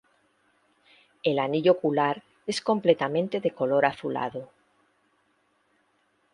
El anillo ocular es completamente de color azulado.